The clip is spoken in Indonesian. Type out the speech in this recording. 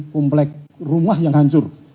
komplek rumah yang hancur